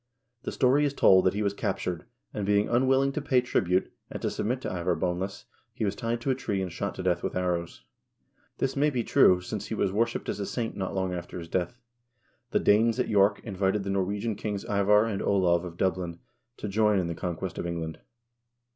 The story is told that he was captured, and, being unwilling to pay tribute, and to submit to Ivar Boneless, he was tied to a tree and shot to death with arrows. This may be true, since he was wor shiped as a saint not long after his death. The Danes at York invited the Norwegian kings Ivar and Olav of Dublin to join in the conquest of England.